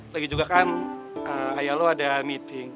lagi juga kan ayah lo ada meeting